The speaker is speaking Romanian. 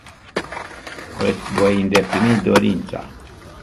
Iti voi indeplini dorinta.